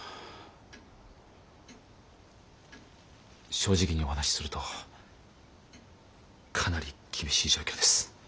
正直にお話しするとかなり厳しい状況です。